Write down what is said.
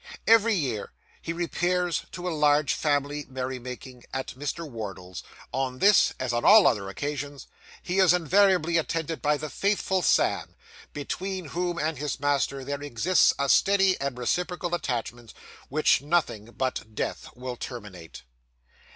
Every year he repairs to a large family merry making at Mr. Wardle's; on this, as on all other occasions, he is invariably attended by the faithful Sam, between whom and his master there exists a steady and reciprocal attachment which nothing but death will terminate.